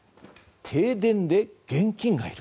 停電で現金がいる？